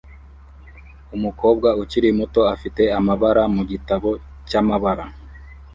Umukobwa ukiri muto afite amabara mugitabo cyamabara